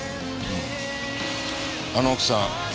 あの奥さん